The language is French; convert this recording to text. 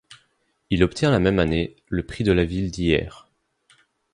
Il obtient la même année, le prix de ville d’Hyères.